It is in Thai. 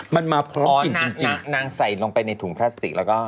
มันมาพร้อมจริงนางใส่ลงไปในถุงพลาสติกแล้วก็